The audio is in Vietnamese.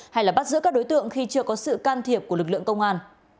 hay là bắt giữ các đối tượng khi chưa có sự can thiệp của lực lượng công an